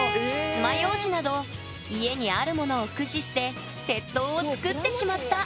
つまようじなど家にあるものを駆使して鉄塔を作ってしまった！